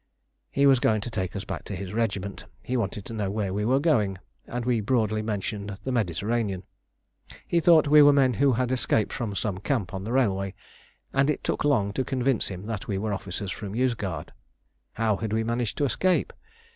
He was going to take us back to his regiment. He wanted to know where we were going, and we broadly mentioned the Mediterranean. He thought we were men who had escaped from some camp on the railway, and it took long to convince him that we were officers from Yozgad. How had we managed to escape?